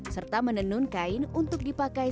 serta menenun kain untuk dipakai